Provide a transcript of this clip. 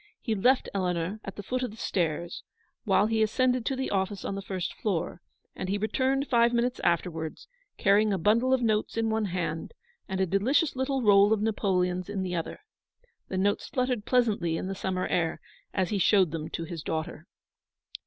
He left Eleanor at the foot of the stairs, while he ascended to the office on the first floor; and he returned five minutes afterwards, carrying a bundle of notes in one hand, and a delicious little roll of napoleons in the other. The notes fluttered pleasantly in the summer air, as he showed them to his daughter.